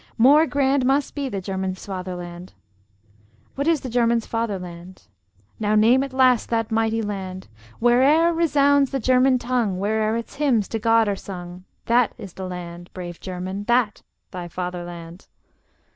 more grand Must be the German's fatherland! What is the German's fatherland? Now name at last that mighty land! "Where'er resounds the German tongue, Where'er its hymns to God are sung!" That is the land, Brave German, that thy fatherland!